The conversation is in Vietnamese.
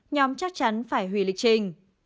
nhóm chắc chắn phải hủy lịch trình